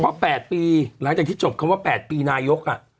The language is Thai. เพราะ๘ปีหลังจากที่จบคำว่า๘ปีนายก